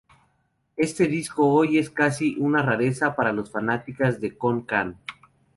Este disco hoy es casi una rareza para los fanáticos de Kon Kan.